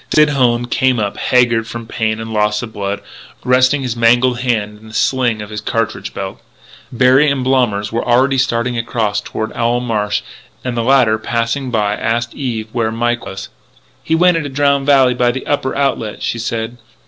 Sid Hone came up, haggard from pain and loss of blood, resting his mangled hand in the sling of his cartridge belt. Berry and Blommers were already starting across toward Owl Marsh; and the latter, passing by, asked Eve where Mike was. "He went into Drowned Valley by the upper outlet," she said.